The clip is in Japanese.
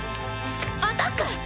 アタック！